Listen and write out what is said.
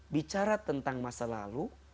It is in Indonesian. bicara tentang masa lalu